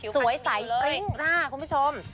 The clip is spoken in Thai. สวยใสเอ๊ยวหน้าคุณผู้ชม